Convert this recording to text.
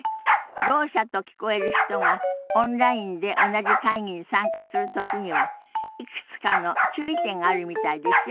ろう者と聞こえる人がオンラインで同じ会議に参加する時にはいくつかの注意点があるみたいですよ。